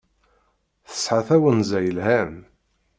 Tesɛa tawenza yelhan.